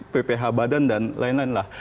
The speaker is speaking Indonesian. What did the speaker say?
pph badan dan lain lain lah